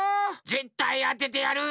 ぜったいあててやる！